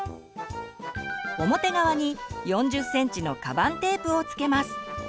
表側に４０ｃｍのカバンテープをつけます。